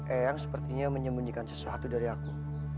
eyang sepertinya menyembunyikan sesuatu dari aku